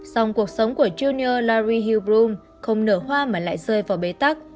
song cuộc sống của junior larry hillblum không nở hoa mà lại rơi vào bế tắc